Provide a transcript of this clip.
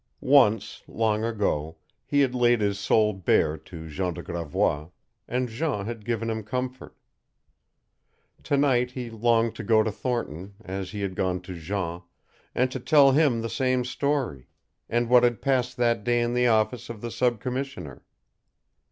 Once, long ago, he had laid his soul bare to Jean de Gravois, and Jean had given him comfort. To night he longed to go to Thornton, as he had gone to Jean, and to tell him the same story, and what had passed that day in the office of the sub commissioner.